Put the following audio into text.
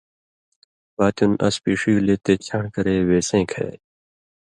پاتیُون اس پیݜِگلے تے چھان٘ڑ کرے وے سَیں کھیائ۔